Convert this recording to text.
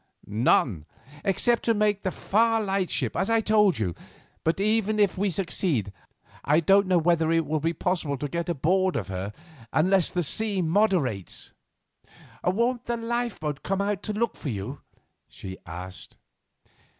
"None, except to make the Far Lightship, as I told you; but even if we succeed, I don't know whether it will be possible to get aboard of her unless the sea moderates." "Won't the lifeboat come out to look for you?" she asked.